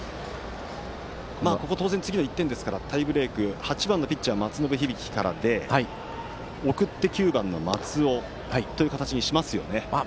ここは当然、次の１点ですからタイブレーク８番ピッチャー、松延響からで送って、９番の松尾という形にしますよね。